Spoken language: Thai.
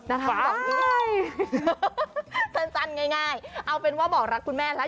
แบบนี้สั้นง่ายเอาเป็นว่าบอกรักคุณแม่แล้ว